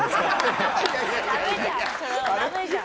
ダメじゃん。